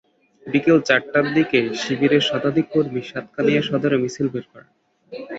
বিকেল চারটার দিকে শিবিরের শতাধিক কর্মী সাতকানিয়া সদরে মিছিল বের করেন।